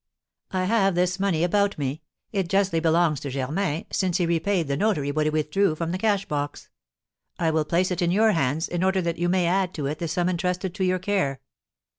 I have this money about me; it justly belongs to Germain, since he repaid the notary what he withdrew from the cash box. I will place it in your hands, in order that you may add it to the sum entrusted to your care."